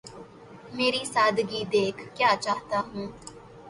مری سادگی دیکھ کیا چاہتا ہوں